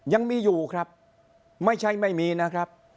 ยังมีอยู่ครับไม่ใช่ไม่มีนะครับ